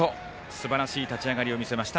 すばらしい立ち上がりを見せました。